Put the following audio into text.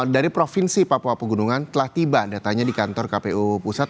dari provinsi papua pegunungan telah tiba datanya di kantor kpu pusat